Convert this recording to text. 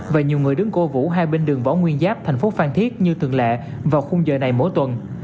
và nhiều người đứng cố vũ hai bên đường võ nguyên giáp thành phố phan thiết như thường lệ vào khung giờ này mỗi tuần